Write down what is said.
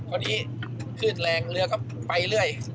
คราวนี้ขึ้นแรงเรือก็ไปเรื่อย